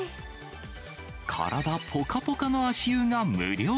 体ぽかぽかの足湯が無料。